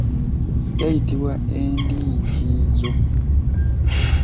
Gayitibwa endiikiizo.